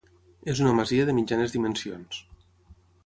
És una masia de mitjanes dimensions.